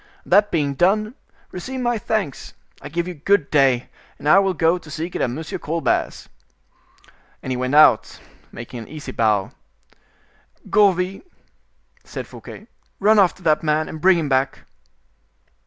That being done, receive my thanks. I give you good day, and will go and seek it at M. Colbert's." And he went out, making an easy bow. "Gourville," said Fouquet, "run after that man and bring him back."